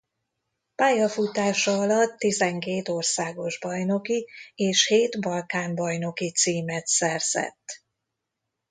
Pályafutása alatt tizenkét országos bajnoki és hét Balkán-bajnoki címet szerzett.